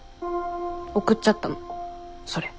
送っちゃったのそれ。